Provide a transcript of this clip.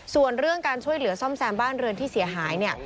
ส่วนเรื่องการช่วยเหลือซ่อมแซมบ้านเรือนที่เสียหายเนี่ย